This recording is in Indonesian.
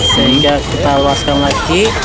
sehingga kita luaskan lagi